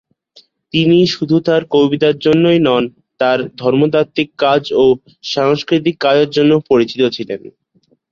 তিনি শুধু তার কবিতার জন্যই নন, তার ধর্মতাত্ত্বিক কাজ ও সাংস্কৃতিক কাজের জন্য পরিচিত ছিলেন।